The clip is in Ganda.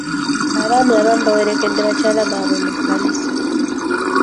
Abaami abamu baawerekedde bakyala baabwe ku kkanisa.